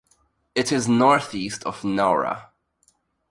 It is northeast of Nowra.